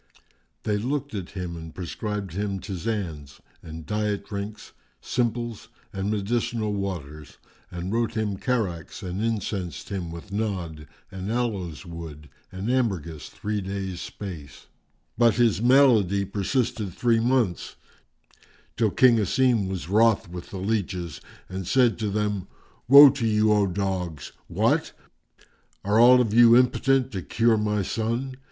They looked at him and prescribed him ptisanes and diet drinks, simples and medicinal waters and wrote him characts and incensed him with Nadd and aloes wood and ambergris three days' space; but his malady persisted three months, till King Asim was wroth with the leaches and said to them, "Woe to you, O dogs! What? Are all of you impotent to cure my son?